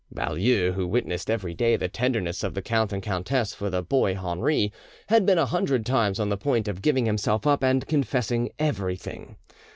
Baulieu, who witnessed every day the tenderness of the count and countess for the boy Henri, had been a hundred times on the point of giving himself up and confessing everything.